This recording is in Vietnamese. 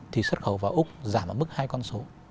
thì xuất khẩu vào úc giảm ở mức hai con số